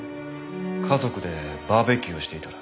家族でバーベキューをしていたら。